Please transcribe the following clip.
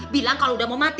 bilang kalau udah mau mati